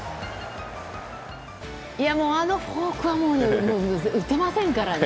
あのフォークは打てませんからね。